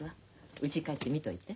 うち帰って見といて。